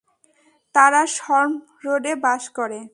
তারা শর্ম রোডে বাস করে।